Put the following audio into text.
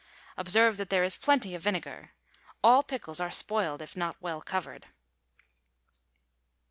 Observe that there is plenty of vinegar. All pickles are spoiled, if not well covered.